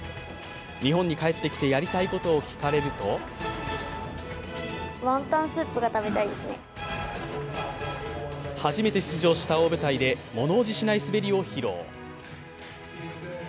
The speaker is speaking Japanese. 日本に帰ってきてやりたいことを聞かれると初めて出場した大舞台で物おじしない滑りを披露。